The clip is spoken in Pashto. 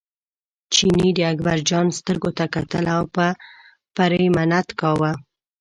چیني د اکبرجان سترګو ته کتل او په پرې منت کاوه.